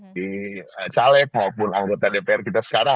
di caleg maupun anggota dpr kita sekarang